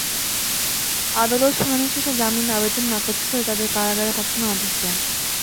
আদালত শুনানি শেষে জামিন আবেদন নাকচ করে তাঁদের কারাগারে পাঠানোর আদেশ দেন।